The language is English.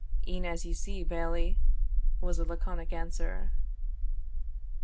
"E'en as ye see, Bailie," was the laconic answer.